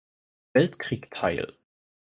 Weltkrieg teil.